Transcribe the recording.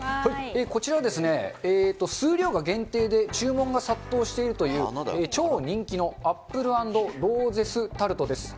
こちらはですね、数量が限定で注文が殺到しているという、超人気のアップル＆ローゼスタルトです。